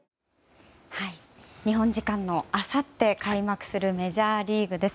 日本時間のあさって開幕するメジャーリーグです。